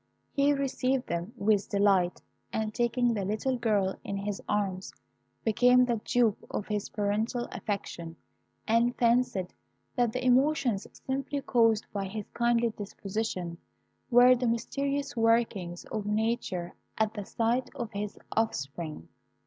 He received them with delight, and taking the little girl in his arms, became the dupe of his paternal affection, and fancied that the emotions simply caused by his kindly disposition were the mysterious workings of nature at the sight of his offspring.